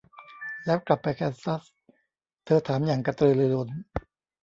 แล้วกลับไปแคนซัส ? เธอถามอย่างกระตือรือร้น